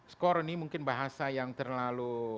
skor ini mungkin bahasa yang terlalu